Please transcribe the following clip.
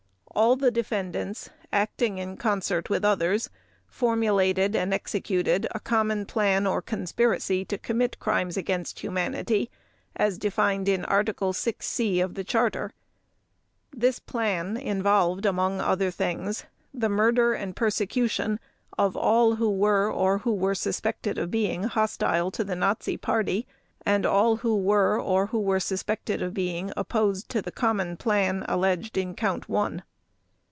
All the defendants, acting in concert with others, formulated and executed a common plan or conspiracy to commit Crimes against Humanity as defined in Article 6 (c) of the Charter. This plan involved, among other things, the murder and persecution of all who were or who were suspected of being hostile to the Nazi Party and all who were or who were suspected of being opposed to the common plan alleged in Count One.